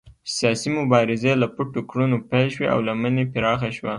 سیاسي مبارزې له پټو کړنو پیل شوې او لمن یې پراخه شوه.